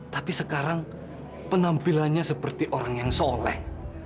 tapi sekarang penampilannya seperti orang yang soleh